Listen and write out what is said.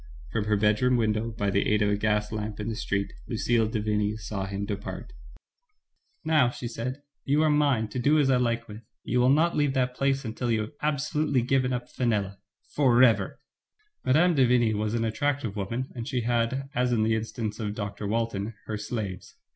From her bedroom window, by the aid of a gas lamp in the street, Lucille de Vigny saw him depart. "Now," she said, "you are mine, to do as I Hke with. You will not leave that place until you have absolutely given up Fenella — forever/' Mme. de Vigny was an attractive woman, and she had, as in the instance of Dr. Walton, her slaves.